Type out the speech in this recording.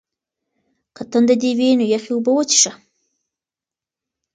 که تنده دې وي نو یخې اوبه وڅښه.